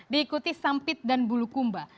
diikuti sampit dan bulu kumba